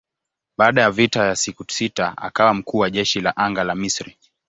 Baada ya vita ya siku sita akawa mkuu wa jeshi la anga la Misri.